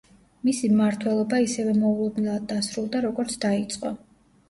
მისი მმართველობა ისევე მოულოდნელად დასრულდა როგორც დაიწყო.